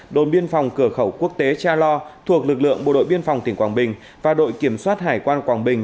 đồn biên phòng cửa khẩu quốc tế cha lo thuộc lực lượng bộ đội biên phòng tỉnh quảng bình và đội kiểm soát hải quan quảng bình